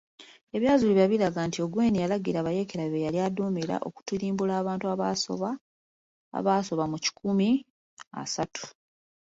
Ebyazuulibwa byalaga nti Ongwen yalagira abayeekera be yali aduumira okutirimbula abantu abasoba mu kikumi asatu.